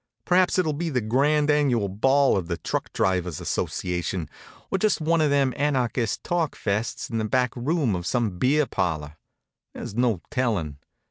Perhaps it'll be the grand annual ball of the Truck Drivers' Association, or just one of them Anarchist talkfests in the back room of some beer parlor. There's no telling.